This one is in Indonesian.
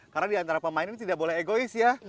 karena diantara pemain ini tidak boleh egois ya